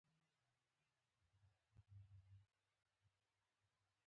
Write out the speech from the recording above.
په سختو حالاتو کې د خپل ځان ټینګ ساتل د شخصیت جوړونې برخه ده.